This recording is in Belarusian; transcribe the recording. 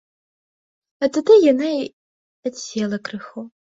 От тады яна й адсела крыху.